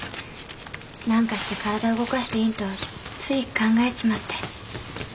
何かして体動かしていんとつい考えちまって。